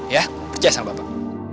ya percaya sama bapak